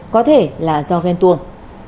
có thể là do ghen tuồng